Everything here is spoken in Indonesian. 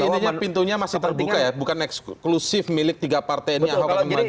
tapi intinya pintunya masih terbuka ya bukan eksklusif milik tiga partainya